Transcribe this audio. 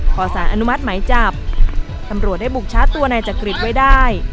ขอสารอนุมัติหมายจับตำรวจได้บุกชาร์จตัวนายจักริตไว้ได้